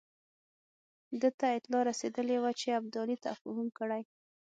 ده ته اطلاع رسېدلې وه چې ابدالي تفاهم کړی.